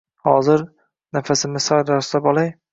Hozir… Nafasimni sal rostlab olay